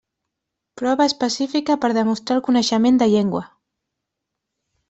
Prova específica per demostrar el coneixement de llengua.